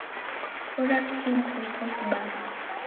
Bora kitini kuliko kibaa